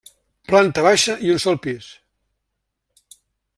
Planta baixa i un sol pis.